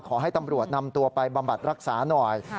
ขอให้ตำรวจนำตัวไปบำบัดรักษาหน่อย